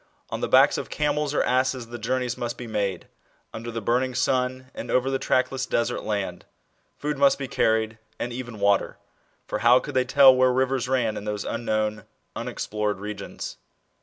On the Lacks of camels or asses the journeys must be made, under the burning sun and over the track less desert land : food must be carried, and even water ; for how could they tell where rivers ran in those unknown, unexplored regions